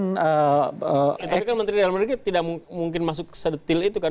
tapi kan menteri dalam negeri tidak mungkin masuk sedetil itu kan